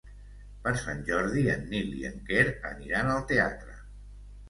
Per Sant Jordi en Nil i en Quer aniran al teatre.